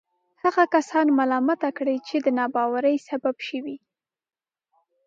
هغه کسان ملامته کړي چې د ناباورۍ سبب شوي.